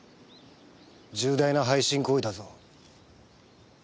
重大な背信行為だぞ。